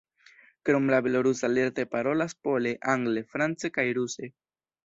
Krom la belorusa lerte parolas pole, angle, france kaj ruse.